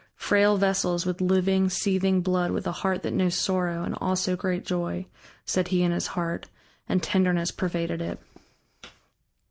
"Frail vessels with living seething blood with a heart that knows sorrow and also great joy," said he in his heart, and tenderness pervaded it.